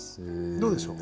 どうでしょう？